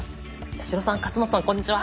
八代さん勝俣さんこんにちは。